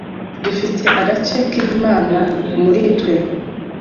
Dufite agace k’Imana muri twe.